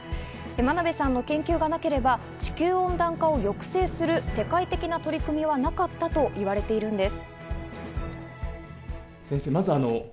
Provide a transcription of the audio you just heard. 真鍋さんの研究がなければ地球温暖化を抑制する世界的な取り組みはなかったと言われているんです。